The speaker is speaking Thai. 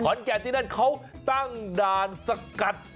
แก่นที่นั่นเขาตั้งด่านสกัด